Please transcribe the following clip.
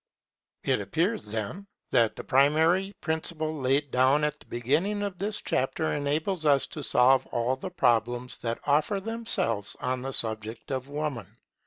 It appears, then, that the primary principle laid down at the beginning of this chapter enables us to solve all the problems that offer themselves on the subject of Woman.